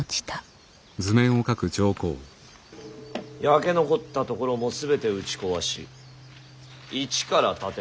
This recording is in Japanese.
焼け残った所も全て打ち壊し一から建て直せ。